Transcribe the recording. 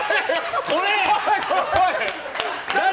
これ！